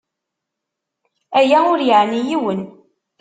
Aya ur yeɛni yiwen.